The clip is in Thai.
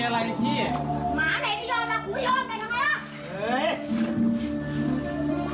หมาไหนที่ยอดแล้ว